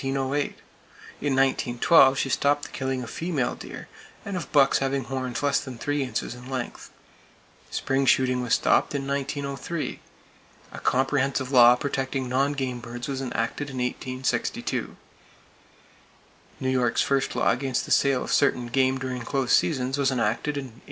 In 1912 she stopped the killing of female deer, and of bucks having horns less than three inches in length. Spring shooting was stopped in 1903. A comprehensive law protecting non game birds was enacted in 1862. New York's first law against the sale of certain game during close seasons was enacted in 1837.